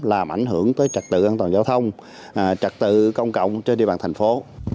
làm ảnh hưởng tới trạc tự an toàn giao thông trạc tự công cộng trên địa bàn thành phố